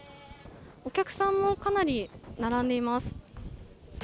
お客さんもかなり並んでいます。